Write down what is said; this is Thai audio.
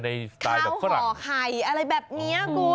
ในสไตล์แบบฝรั่งขาวห่อไข่อะไรแบบนี้